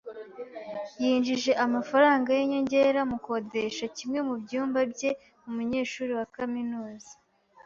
yinjije amafaranga yinyongera mukodesha kimwe mubyumba bye umunyeshuri wa kaminuza.